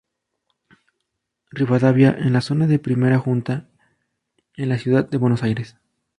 Rivadavia en la zona de Primera Junta, en la Ciudad de Buenos Aires.